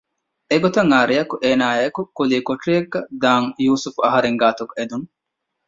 އެގޮތަށް އައި ރެޔަކު އޭނާއާއިއެކު ކުލީ ކޮޓަރިއަކަށް ދާން ޔޫސުފް އަހަރެން ގާތުން އެދުން